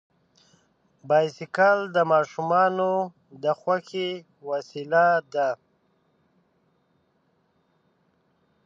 بایسکل د ماشومانو د خوښۍ وسیله ده.